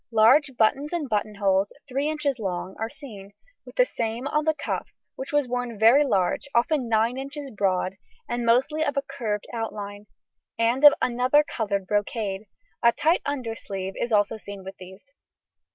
Large buttons and buttonholes, 3 inches long, are seen, with the same on the cuff, which was worn very large, often 9 inches broad, and mostly of a curved outline, and of another coloured brocade; a tight undersleeve is also seen with these.